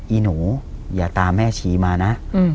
อีหนูอย่าตามแม่ชีมานะ